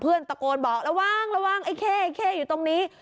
ตะโกนบอกระวังระวังไอ้เข้อยู่ตรงนี้